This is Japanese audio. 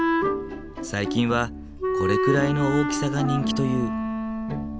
最近はこれくらいの大きさが人気という。